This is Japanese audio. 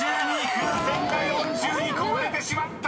風船が４２個割れてしまった！］